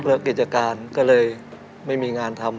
กิจการก็เลยไม่มีงานทำ